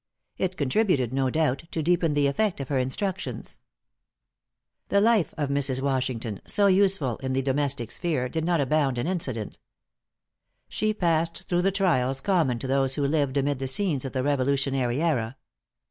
It contributed, no doubt, to deepen the effect of her instructions. The life of Mrs. Washington, so useful in the domestic sphere, did not abound in incident. She passed through the trials common to those who lived amid the scenes of the Revolutionary era.